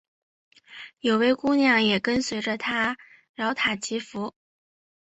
有位姑娘也跟随着他饶塔祈福。